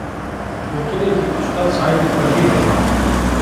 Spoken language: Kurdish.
Gotineke Ustad Saîdê Kurdî heye.